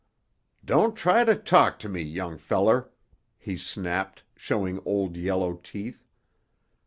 "Don't try to talk to me, young feller," he snapped, showing old yellow teeth.